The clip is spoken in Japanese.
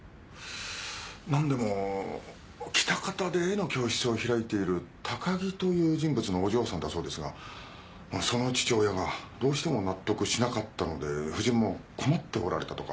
なんでも喜多方で絵の教室を開いている高木という人物のお嬢さんだそうですがその父親がどうしても納得しなかったので夫人も困っておられたとか。